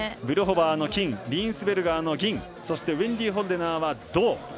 ブルホバーの金リーンスベルガーの銀そしてウェンディ・ホルデナーは銅。